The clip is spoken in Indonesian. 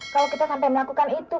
kalau kita sampai melakukan itu